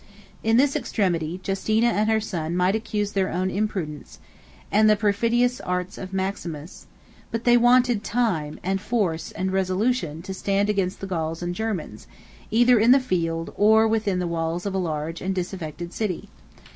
In this extremity, Justina and her son might accuse their own imprudence, and the perfidious arts of Maximus; but they wanted time, and force, and resolution, to stand against the Gauls and Germans, either in the field, or within the walls of a large and disaffected city.